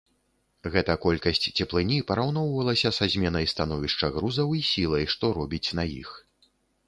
Гэта колькасць цеплыні параўноўвалася са зменай становішча грузаў і сілай, што робіць на іх.